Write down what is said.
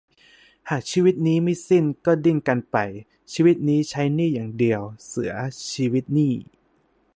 หากชีวิตนี้ไม่สิ้น ก็ดิ้นกันไป ชีวิตนี้ใช้หนี้อย่างเดียว เสือ - ชีวิตหนี้